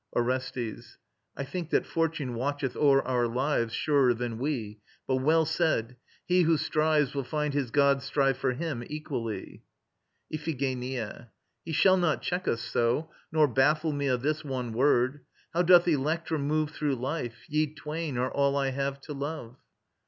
ORESTES. I think that Fortune watcheth o'er our lives, Surer than we. But well said: he who strives Will find his gods strive for him equally. IPHIGENIA. He shall not check us so, nor baffle me Of this one word. How doth Electra move Through life? Ye twain are all I have to love.